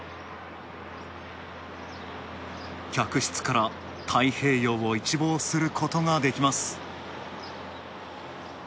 客室から太平洋を一望することができます。